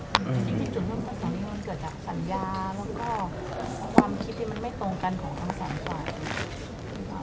จริงอย่างงี้ทุกคนเกิดจากสัญญา